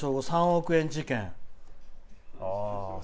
三億円事件。